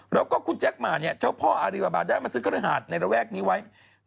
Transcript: แล้วก็คุณแจ๊คมาเนี่ยเจ้าพ่ออารีบาบาได้มาซื้อเครื่องหาดในระแวกนี้ไว้